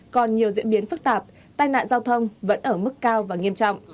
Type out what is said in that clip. còn nhiều diễn biến phức tạp tai nạn giao thông vẫn ở mức cao và nghiêm trọng